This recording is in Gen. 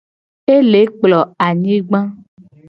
Ele kplo anyigba.